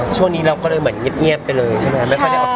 ช่วงนี้เราก็อย่างงิบงิบไปเลยใช่ไหม